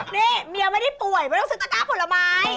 เนี่ยเมียไม่ได้ต่วเอยไม่ต้องซื้อสัตว์ปรากะผลไม้